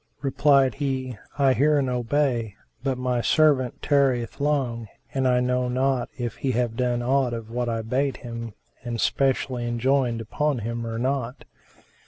Replied he, "I hear and obey; but my servant tarrieth long and I know not if he have done aught of what I bade him and specially enjoined upon him, or not."